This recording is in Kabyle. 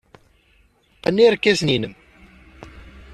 Qqen irkasen-nnem.